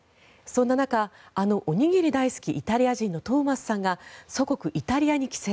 そんな中あのおにぎり大好きイタリア人のトーマスさんが祖国イタリアに帰省。